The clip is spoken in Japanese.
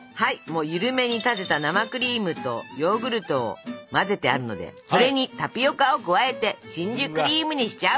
ゆるめに立てた生クリームとヨーグルトを混ぜてあるのでそれにタピオカを加えてしんじゅクリームにしちゃう！